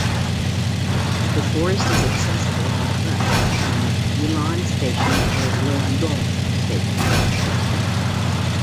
The forest is accessible by bus from Yilan Station or Luodong Station.